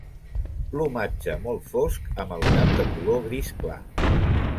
Plomatge molt fosc amb el cap de color gris clar.